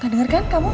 gak dengar kan kamu